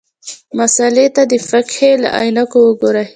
مسألې ته د فقهې له عینکو وګورو.